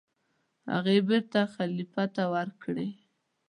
هغه یې بېرته خلیفه ته ورکړې.